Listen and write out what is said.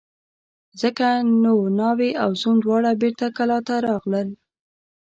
ځکه نو ناوې او زوم دواړه بېرته کلاه ته راغلل.